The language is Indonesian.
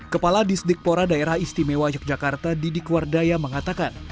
kepala disdikpora daerah istimewa yogyakarta didik wardaya mengatakan